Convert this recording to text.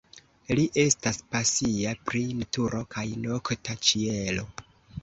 Li estas pasia pri naturo kaj nokta ĉielo.